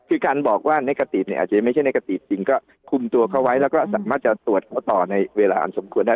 คือการบอกว่าในกติเนี่ยอาจจะไม่ใช่ในกติจริงก็คุมตัวเขาไว้แล้วก็สามารถจะตรวจต่อในเวลาอันสมควรได้